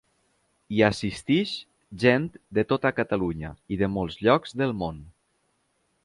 Hi assisteix gent de tota Catalunya i de molts llocs del món.